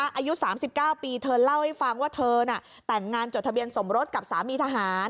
อายุ๓๙ปีเธอเล่าให้ฟังว่าเธอน่ะแต่งงานจดทะเบียนสมรสกับสามีทหาร